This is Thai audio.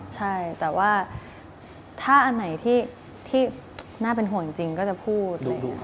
ใช่แต่ว่าถ้าอันไหนที่น่าเป็นห่วงจริงก็จะพูด